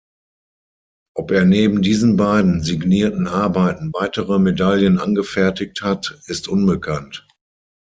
Ob er neben diesen beiden signierten Arbeiten weitere Medaillen angefertigt hat, ist unbekannt.